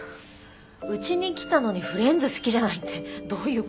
うちに来たのにフレンズ好きじゃないってどういうことよ。